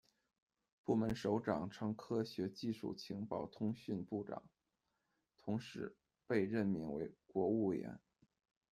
部门首长称科学技术情报通信部长，同时被任命为国务委员。